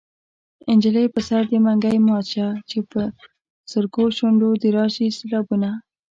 نجلۍ په سر دې منګی مات شه چې په سرکو شونډو دې راشي سېلابونه